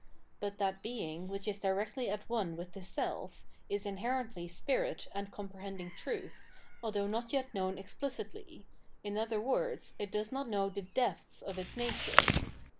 '' But that Being, which is directly at one with the self, is inherently spirit and comprehending truth, although not yet known explicitly, in other words it does not know the " depths " of its nature.